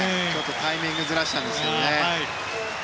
タイミングずらしたんですけど。